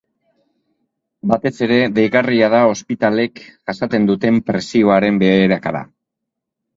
Batez ere, deigarria da ospitaleek jasaten duten presioaren beherakada.